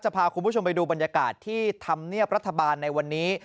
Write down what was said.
พาคุณผู้ชมไปดูบรรยากาศที่ธรรมเนียบรัฐบาลในวันนี้